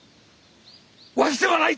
わしではない！